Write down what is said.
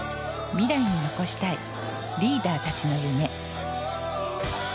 未来に残したいリーダーたちの夢。